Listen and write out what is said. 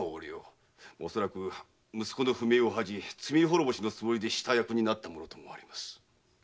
おそらく息子の不明を恥じ罪滅ぼしのつもりで下役になったものと思われます。